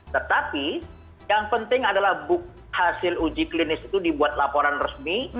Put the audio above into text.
tetapi yang penting adalah bukti hasil uji klinis itu dibuat laporan resmi